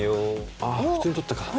ああ普通に取ったか。